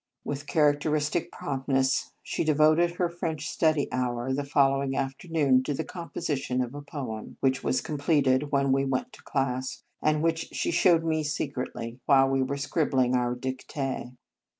With characteristic prompt ness, she devoted her French study hour the following afternoon to the composition of a poem, which was completed when we went to class, and which she showed me secretly while we were scribbling our dictee.